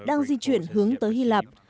đang di chuyển hướng tới hy lạc